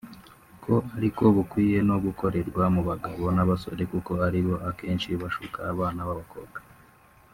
ko ariko bukwiye no gukorerwa mu bagabo n’abasore kuko ari bo akenshi bashuka abana b’abakobwa